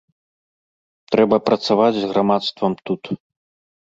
Трэба працаваць з грамадствам тут.